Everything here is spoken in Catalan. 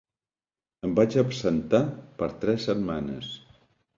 Em vaig absentar per tres setmanes.